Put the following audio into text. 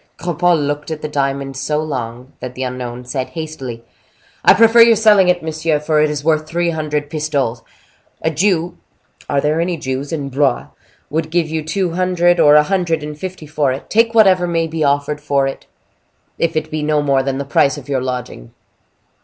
Cropole looked at the diamond so long, that the unknown said, hastily: "I prefer your selling it, monsieur; for it is worth three hundred pistoles. A Jew—are there any Jews in Blois?—would give you two hundred or a hundred and fifty for it—take whatever may be offered for it, if it be no more than the price of your lodging.